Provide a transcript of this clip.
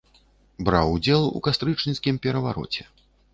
Браў удзел у кастрычніцкім перавароце.